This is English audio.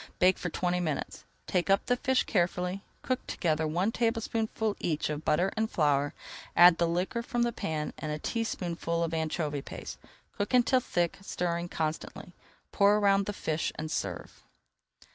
Bake for twenty minutes. Take up the fish carefully. Cook together one tablespoonful each of butter and flour, add the liquor from the pan and a teaspoonful of anchovy paste. Cook until thick, stirring constantly, pour around the fish, and serve.